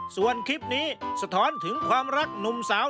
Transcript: ส่วนคลิปนี้สะท้อนถึงความรักหนุ่มสาว